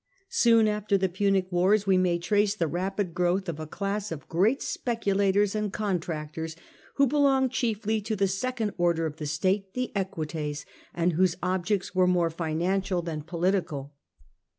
Soon after llie Punic wars we may trace the rapid growth of a class of great speculators and contractors, who belonged chiefly to the second order of the state, the EquiteSy and whose objects were more financial than political.